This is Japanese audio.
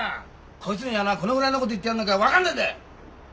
こいつにはなこのぐらいのこと言ってやんなきゃ分かんねえんだよ！